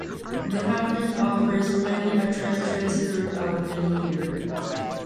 The mountain offers many attractions throughout the year.